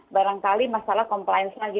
barangkali masalah komplians lagi